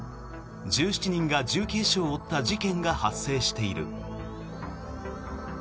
１７人が重軽傷を負った事件が発生している。